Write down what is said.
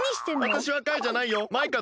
わたしはカイじゃないよマイカだよ。